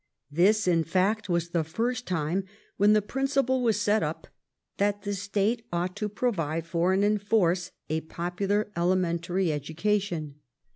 This, in fact, was the first time when the principle was set up that the State ought to provide for and enforce a popular elementary education.